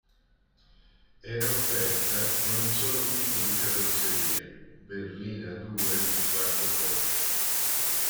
Era offerta con un solo tipo di carrozzeria, berlina due o quattro porte.